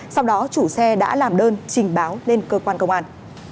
sau đó chủ xe đã làm đơn trình báo lên cơ quan công an